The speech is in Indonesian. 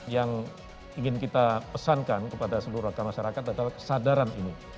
yang ingin kita pesankan kepada seluruh rakyat masyarakat adalah kesadaran ini